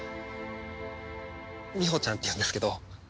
みほちゃんっていうんですけど。